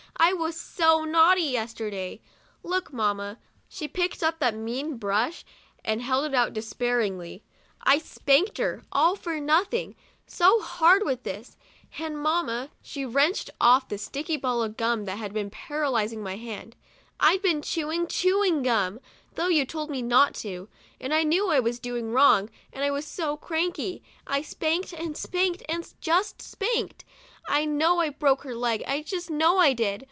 I was so naughty, yesterday. Look, mamma" — she picked up that mean brush, and held it out despairingly —" I spanked her, all for nothing, so hard with this. And mamma" — she wrenched off the sticky ball of gum that had been paralyzing my hand — 'I'd been chewing chewing gum, though you told me not to, and I knew I was doing wrong, and I was so cranky. I spanked and spanked and just spanked ! I know I broke her leg, I just know I did.